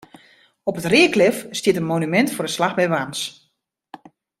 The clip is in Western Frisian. Op it Reaklif stiet in monumint foar de slach by Warns.